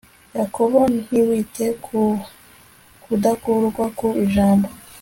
yakobo ntiwite ku kudakurwa ku ijambo